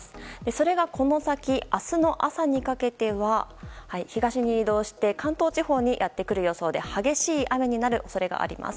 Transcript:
それがこの先明日の朝にかけては東に移動して関東地方にやってくる予想で激しい雨になる恐れがあります。